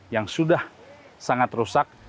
yang sudah sangat rusak